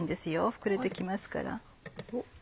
膨れて来ますから。